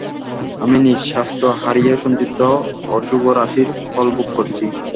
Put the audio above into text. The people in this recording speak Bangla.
আমি নিজ স্বাস্থ্য হারিয়ে সঞ্চিত অশুভরাশির ফলভোগ করছি।